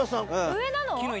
上なの？